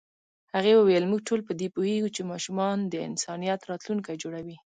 هغې وویل موږ ټول په دې پوهېږو چې ماشومان د انسانیت راتلونکی جوړوي.